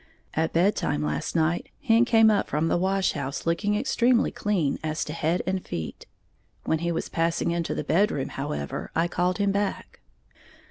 At bed time last night, Hen came up from the wash house looking extremely clean as to head and feet. When he was passing into the bedroom however, I called him back.